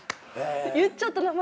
言っちゃった名前。